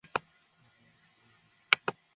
সে সরীসৃপদের সাথে মিশে যাবে।